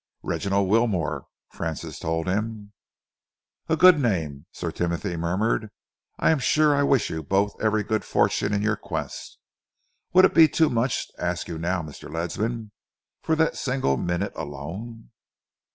"Reginald Wilmore," Francis told him. "A good name," Sir Timothy murmured. "I am sure I wish you both every good fortune in your quest. Would it be too much to ask you now, Mr. Ledsam, for that single minute alone?"